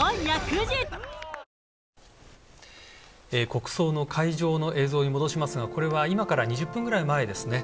国葬の会場の映像に戻しますがこれは今から２０分くらい前ですね。